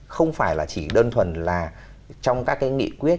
không phải là chỉ đơn thuần là trong các cái nghị quyết